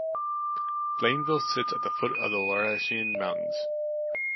Blainville sits at the foot of the Laurentian Mountains.